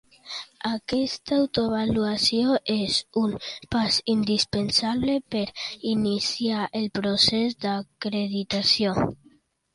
Aquesta autoavaluació és un pas indispensable per iniciar el procés d'acreditació.